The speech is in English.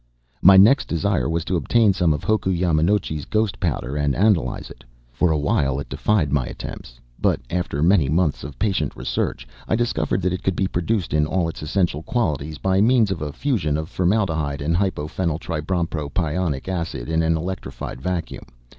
My next desire was to obtain some of Hoku Yamanochi's ghost powder and analyze it. For a while it defied my attempts, but, after many months of patient research, I discovered that it could be produced, in all its essential qualities, by means of a fusion of formaldehyde and hypophenyltrybrompropionic acid in an electrified vacuum.